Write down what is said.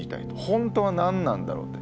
本当は何なんだろうって。